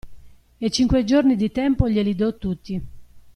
E cinque giorni di tempo glieli do tutti.